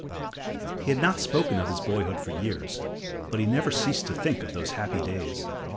He had not spoken of his boyhood for years, but he never ceased to think of those happy days.